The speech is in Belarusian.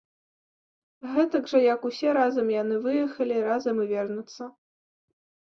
Гэтак жа як усе разам яны выехалі, разам і вернуцца.